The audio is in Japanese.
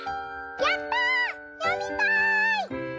「やった！よみたい！」。